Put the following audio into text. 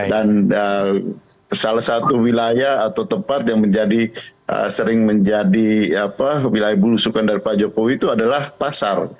dan salah satu wilayah atau tempat yang sering menjadi wilayah berusukan dari pak jokowi itu adalah pasar